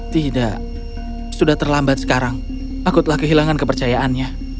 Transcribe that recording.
tidak sudah terlambat sekarang aku telah kehilangan kepercayaannya